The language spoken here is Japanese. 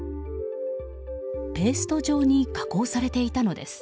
ペースト状に加工されていたのです。